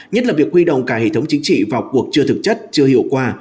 nhất là việc huy động cả hệ thống chính trị vào cuộc chưa thực chất chưa hiệu quả